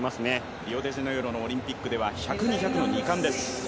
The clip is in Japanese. リオデジャネイロオリンピックでは１００、２００、２冠です。